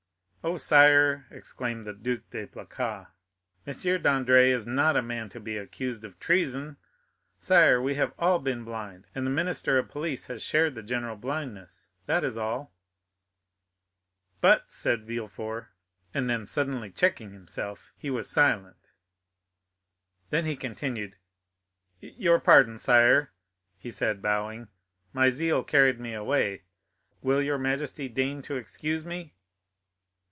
"Oh, sire," exclaimed the Duc de Blacas, "M. Dandré is not a man to be accused of treason! Sire, we have all been blind, and the minister of police has shared the general blindness, that is all." "But——" said Villefort, and then suddenly checking himself, he was silent; then he continued, "Your pardon, sire," he said, bowing, "my zeal carried me away. Will your majesty deign to excuse me?"